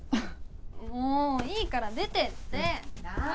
もういいから出てって菜緒